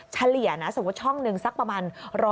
เฉลี่ยนะสมมุติช่องหนึ่งสักประมาณ๑๐๐